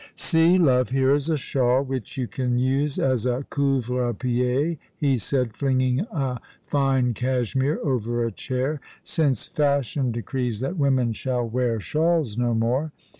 " See, love, here is a shawl which you can use as a couvre j){edp he said, flinging a fine cashmere over a chair, ''since Fashion decrees that women shall wear shawls no more.